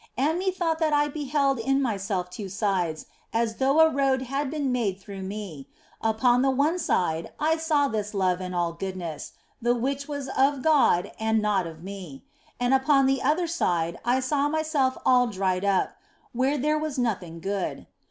And methought that I beheld in myself two sides, as though a road had been made through me ; upon the one side I saw this love and all goodness (the which was of God and not of me), and upon the other side I saw myself all dried up, where there was nothing good.